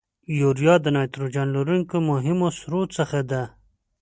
یوریا د نایتروجن لرونکو مهمو سرو څخه ده.